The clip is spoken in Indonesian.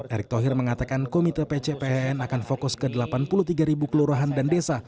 erick thohir mengatakan komite pcpn akan fokus ke delapan puluh tiga kelurahan dan desa